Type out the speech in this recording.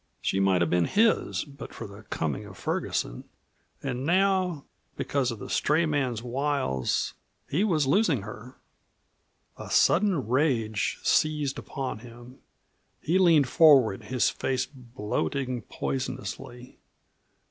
She might have been his, but for the coming of Ferguson. And now, because of the stray man's wiles, he was losing her. A sudden rage seized upon him; he leaned forward, his face bloating poisonously.